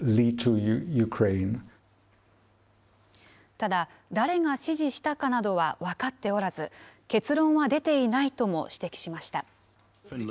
ただ、誰が指示したかなどは分かっておらず、結論は出ていないとも指摘しました。